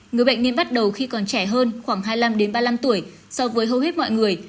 người bệnh nên bắt đầu khi còn trẻ hơn khoảng hai mươi năm ba mươi năm tuổi so với hầu hết mọi người